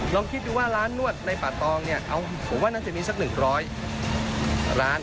ลองคิดดูว่าร้านนวดในป่าตองเนี่ยผมว่าน่าจะมีสัก๑๐๐ร้าน